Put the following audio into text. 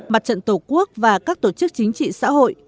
mặt trận tổ quốc và các tổ chức chính trị xã hội